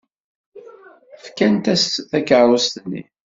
Fkant-as takeṛṛust-nni.